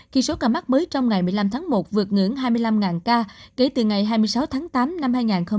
khi số ca mắc mới trong ngày một mươi năm tháng một vượt ngưỡng hai mươi năm ca kể từ ngày hai mươi sáu tháng tám năm hai nghìn hai mươi ba